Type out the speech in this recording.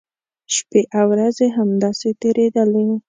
شپی او ورځې همداسې تېریدلې.